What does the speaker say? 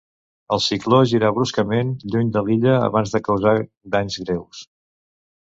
El cicló girà bruscament lluny de l'illa, abans de causar danys greus.